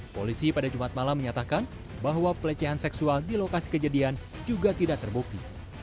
polisi pada jumat malam menyatakan bahwa pelecehan seksual di lokasi kejadian juga tidak terbukti